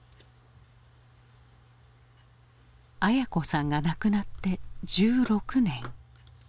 文子さんが亡くなって１６年。